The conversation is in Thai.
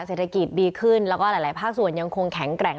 เศรษฐกิจดีขึ้นแล้วก็หลายภาคส่วนยังคงแข็งแกร่ง